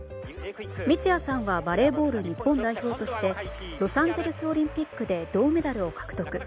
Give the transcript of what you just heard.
三屋さんはバレーボール日本代表としてロサンゼルスオリンピックで銅メダルを獲得。